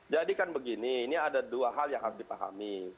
jadi kan begini ini ada dua hal yang harus dipahami